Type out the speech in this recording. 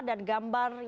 dan gambar yang terjadi